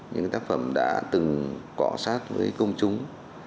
những tác phẩm đã từng cọ sát với công chúng